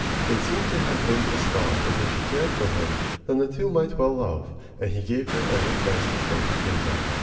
It seems to have been his thought that if she cared for him, then the two might well love; and he gave her every chance to show him favor.